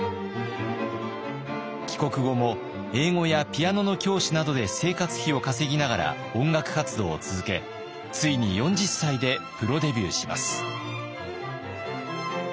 帰国後も英語やピアノの教師などで生活費を稼ぎながら音楽活動を続けついに４０歳でプロデビューします。